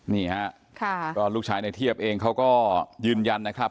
นี่ฮะก็ลูกชายในเทียบเองเขาก็ยืนยันนะครับ